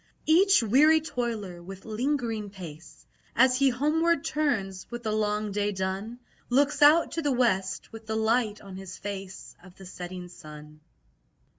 Each weary toiler, with lingering pace, As he homeward turns, with the long day done, Looks out to the west, with the light on his face Of the setting sun.